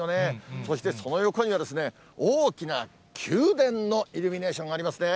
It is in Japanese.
そしてその横にはですね、大きな宮殿のイルミネーションがありますね。